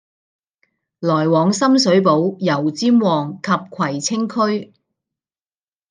來往深水埗、油尖旺及葵青區。